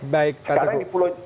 baik pak teguh